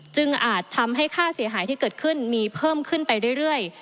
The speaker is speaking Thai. อาจทำให้ค่าเสียหายที่เกิดขึ้นมีเพิ่มขึ้นไปเรื่อย